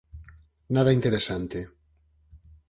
Nada interesante.